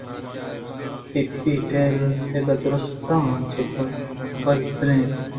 پیپی ءِ ٹہگک دُرٛستاں چہ برز تر اِت